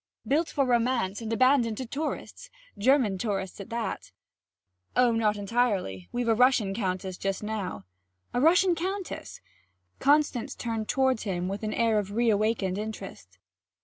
'Built for romance and abandoned to tourists German tourists at that!' 'Oh, not entirely we've a Russian countess just now.' 'A Russian countess?' Constance turned toward him with an air of reawakened interest.